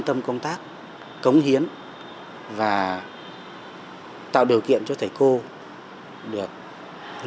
để tạo ra những điều kiện để tạo ra những điều kiện để tạo ra những điều kiện